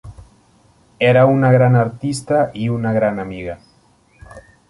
Era una gran artista y una gran amiga.